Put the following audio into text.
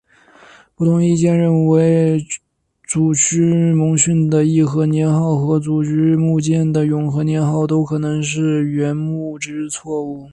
不同意见认为沮渠蒙逊的义和年号和沮渠牧犍的永和年号都可能是缘禾之错误。